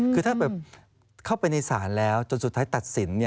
คือถ้าเข้าไปในศาลแล้วจนสุดท้ายตัดสิน